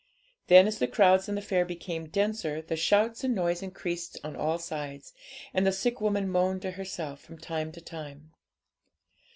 Then, as the crowds in the fair became denser, the shouts and noise increased on all sides, and the sick woman moaned to herself from time to time.